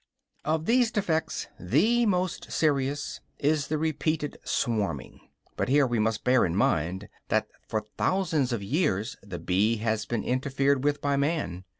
Of these defects the most serious is the repeated swarming. But here we must bear in mind that for thousands of years the bee has been interfered with by man.